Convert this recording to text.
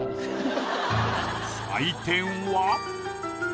採点は。